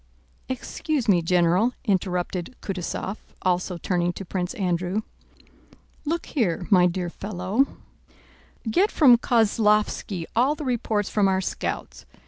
"Excuse me, General," interrupted Kutúzov, also turning to Prince Andrew. "Look here, my dear fellow, get from Kozlóvski all the reports from our scouts.